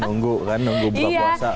nunggu kan nunggu buka puasa